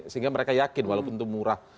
sehingga mereka yakin walaupun itu murah